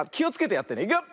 いくよ！